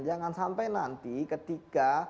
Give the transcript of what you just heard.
jangan sampai nanti ketika